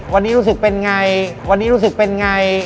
วันนี้รู้สึกเป็นไง